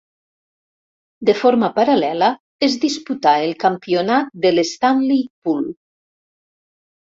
De forma paral·lela es disputà el Campionat de l'Stanley Pool.